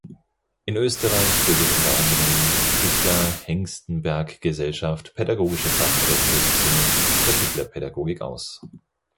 In Österreich bildet unter anderem die Pikler-Hengstenberg-Gesellschaft pädagogische Fachkräfte im Sinne der Pikler-Pädagogik aus.